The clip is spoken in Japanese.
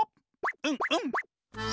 うんうん。